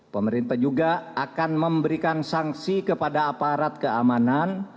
pemerintah juga akan memberikan sanksi kepada aparat keamanan